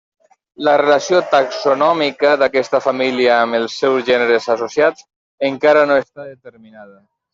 La relació taxonòmica d'aquesta família amb els seus gèneres associats encara no està determinada.